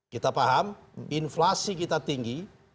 kita paham inflasi kita tinggi